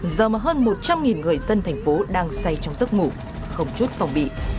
giờ mà hơn một trăm linh người dân thành phố đang say trong giấc ngủ không chút phòng bị